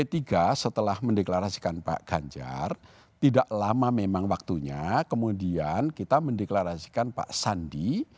p tiga setelah mendeklarasikan pak ganjar tidak lama memang waktunya kemudian kita mendeklarasikan pak sandi